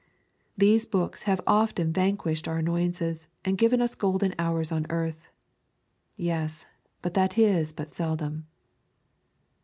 These books have often vanquished our annoyances, and given us golden hours on the earth. Yes, but that is but seldom.